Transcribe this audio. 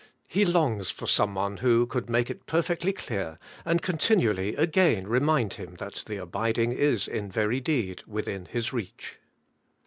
He longs for some one who could make it perfectly clear, and continually again remind him that the abiding is in very deed within his reach.